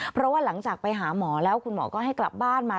เพราะว่าหลังจากไปหาหมอแล้วคุณหมอก็ให้กลับบ้านมา